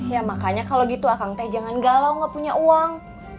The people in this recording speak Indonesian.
ya makanya kalau gitu saya jangan galau gak punya uang